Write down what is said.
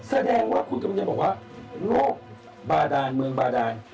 แสดงว่าคุณกำลังจะบอกว่าโรคบาดานเมืองบาดาน